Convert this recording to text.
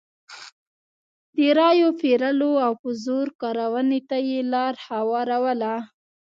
د رایو پېرلو او په زور کارونې ته یې لار هواروله.